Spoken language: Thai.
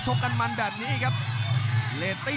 กรรมการเตือนทั้งคู่ครับ๖๖กิโลกรัม